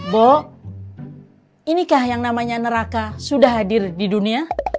bo inikah yang namanya neraka sudah hadir di dunia